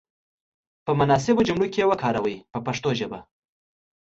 په مناسبو جملو کې یې وکاروئ په پښتو ژبه.